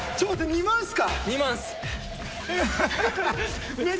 ２万っす。